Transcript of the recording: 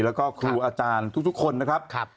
แล้วก็ครูอาจารย์ทุกคนนะครับ